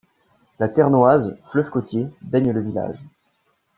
La Ternoise, fleuve côtier, baigne le village.